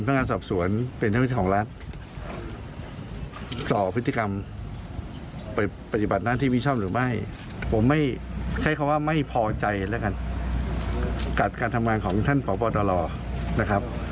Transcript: กับการทำงานของท่านปบอตรนะครับ